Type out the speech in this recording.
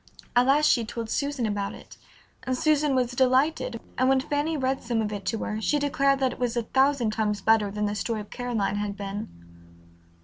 At last she told Susan about it, and Susan was delighted, and when Fanny read some of it to her she declared that it was a thousand times better than the story of Caroline had been.